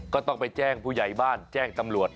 ก็ต้องไปแจ้งผู้ใหญ่บ้านแจ้งตำรวจ